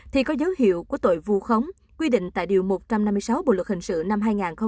thì có dấu hiệu của tội vu khống quy định tại điều một trăm năm mươi sáu bộ luật hình sự năm hai nghìn một mươi năm